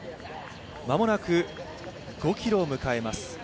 間もなく５ｋｍを迎えます。